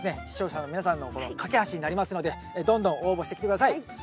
視聴者の皆さんのこの懸け橋になりますのでどんどん応募してきて下さい。